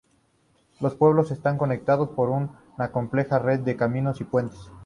Los pueblos están conectados por una compleja red de caminos y puentes.